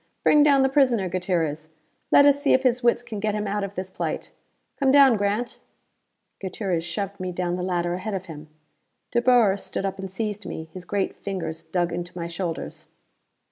Bring down the prisoner, Gutierrez! Let us see if his wits can get him out of this plight. Come down, Grant!" Gutierrez shoved me down the ladder ahead of him. De Boer stood up and seized me. His great fingers dug into my shoulders.